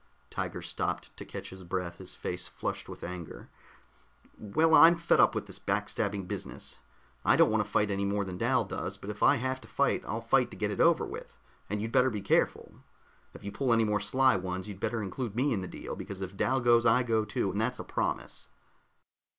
Tiger stopped to catch his breath, his face flushed with anger. "Well, I'm fed up with this back stabbing business. I don't want a fight any more than Dal does, but if I have to fight, I'll fight to get it over with, and you'd better be careful. If you pull any more sly ones, you'd better include me in the deal, because if Dal goes, I go too. And that's a promise."